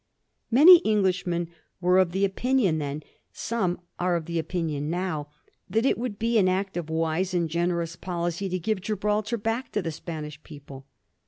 Many Englishmen were of opinion then, some are of opinion now, that it would be an act of wise and generous policy to give Gibraltar back to the Spanish people.